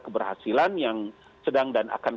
keberhasilan yang sedang dan akan